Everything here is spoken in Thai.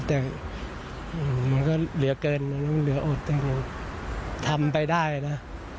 แต่มันก็เหลือเกินมันเหลืออดแต่ทำไปได้นะ